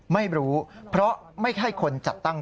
ไม่รู้เพราะไม่ใช่คนจัดตั้ง